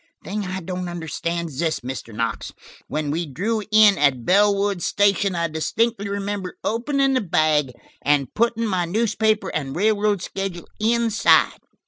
The thing I don't understand is this, Mr. Knox. When we drew in at Bellwood Station I distinctly remember opening the bag and putting my newspaper and railroad schedule inside.